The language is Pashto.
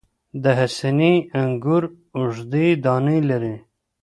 د حسیني انګور اوږدې دانې لري.